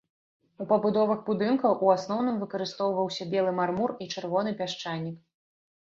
У пабудовах будынкаў у асноўным выкарыстоўваўся белы мармур і чырвоны пясчанік.